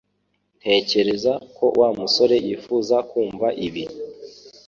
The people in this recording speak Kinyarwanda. Ntekereza ko Wa musore yifuza kumva ibi